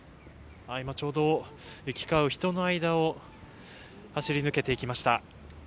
今ちょうど、行き交う人の間を走り抜けていきました。